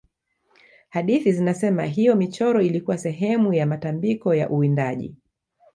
hadithi zinasema hiyo michoro ilikuwa sehemu ya matambiko ya uwindaji